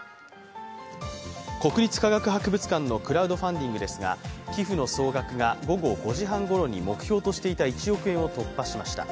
国立科学博物館のクラウドファンディングですが寄付の総額が午後５時半ごろに目標としていた１億円を突破しました。